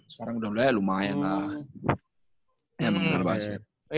sekarang udah lumayan lah yang mengenal basket